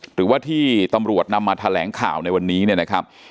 หรือว่าที่ตำรวจนำมาแถลงข่าวในวันนี้เนี่ยนะครับ